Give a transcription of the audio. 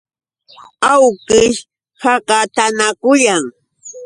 Awkish hakatanakayan.